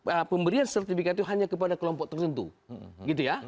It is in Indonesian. arti pemberian sertifikat itu hanya kepada kelompok tertentu